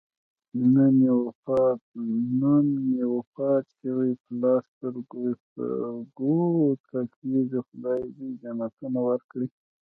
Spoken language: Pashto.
نن مې وفات شوی پلار سترګو سترګو ته کېږي. خدای دې جنتونه ورکړي.